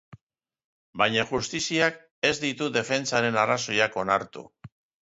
Baina justiziak ez ditu defentsaren arrazoiak onartu.